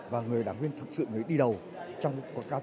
và người đảng viên luôn luôn bám sát quần chúng vận động quần chúng